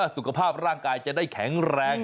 สุขภาพร่างกายจะได้แข็งแรง